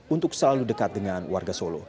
untuk selalu dekat dengan warga solo